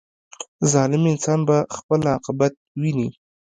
• ظالم انسان به خپل عاقبت ویني.